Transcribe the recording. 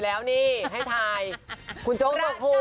แล้วนี่ให้ถ่ายคุณโจ๊กตกภูมิ